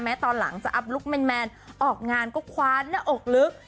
ตอนหลังจะอัพลุคแมนออกงานก็คว้านหน้าอกลึก